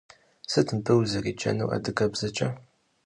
Sıt mıbı vuzerêcenur adıgebzeç'e?